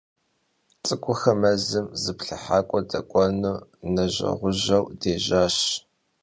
Ts'ık'uxer mezım zıplhıhak'ue dık'uenu nejjegujjeu dêjaş.